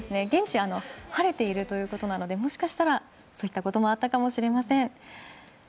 現地晴れているということなのでもしかしたら、そういったこともあるかもしれません。